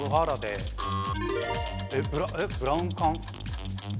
えっブラウン管？